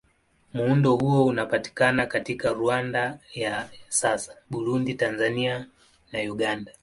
Muundo huo unapatikana katika Rwanda ya sasa, Burundi, Tanzania na Uganda.